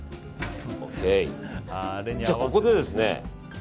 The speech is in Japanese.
じゃあここでですね